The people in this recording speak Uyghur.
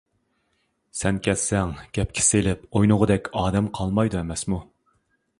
-سەن كەتسەڭ گەپكە سېلىپ ئوينىغۇدەك ئادەم قالمايدۇ ئەمەسمۇ!